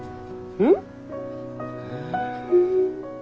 うん。